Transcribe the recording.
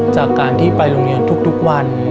จากการที่ไปโรงเรียนทุกวัน